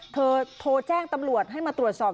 โทรแจ้งตำรวจให้มาตรวจสอบ